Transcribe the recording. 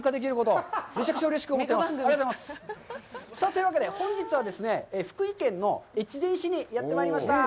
というわけで、本日はですね、福井県の越前市にやってまいりました。